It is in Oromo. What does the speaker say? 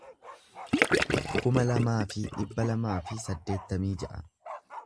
kuma lamaa fi dhibba lamaa fi saddeettamii ja'a